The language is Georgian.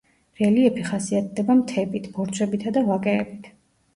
რელიეფი ხასიათდება მთებით, ბორცვებითა და ვაკეებით.